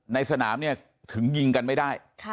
ในสนามถึงยิงกันไม่ได้